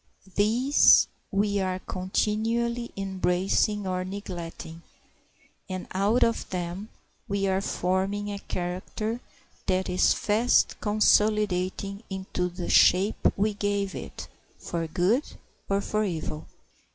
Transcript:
These we are continually embracing or neglecting, and out of them we are forming a character that is fast consolidating into the shape we gave it for good or for evil.